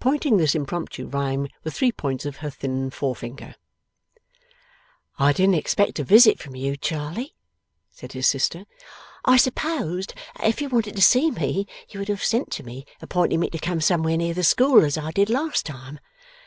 pointing this impromptu rhyme with three points of her thin fore finger. 'I didn't expect a visit from you, Charley,' said his sister. 'I supposed that if you wanted to see me you would have sent to me, appointing me to come somewhere near the school, as I did last time.